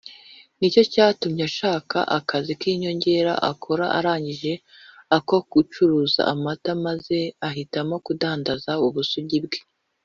nicyo cyatumye ashaka akazi k’inyongera akora arangije ako gucuruza amata maze ahitamo kudandaza ubusugi bwe